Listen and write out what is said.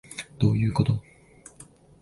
どういうこと？